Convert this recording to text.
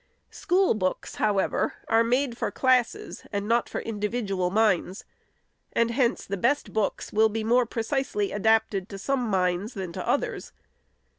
School books, however, are made for classes, and not for indi vidual minds, and hence the best books will be more pre cisely adapted to some minds than to others.